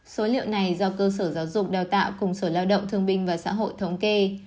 số liệu này do cơ sở giáo dục đào tạo cùng sở lao động thương binh và xã hội thống kê